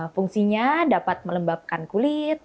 fungsinya dapat melembabkan kulit